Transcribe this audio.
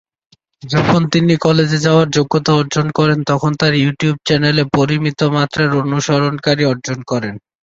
যখন তিনি কলেজে যাওয়ার যোগ্যতা অর্জন করেন, তখন তার ইউটিউব চ্যানেলে পরিমিত মাত্রার অনুসরণকারী অর্জন করে।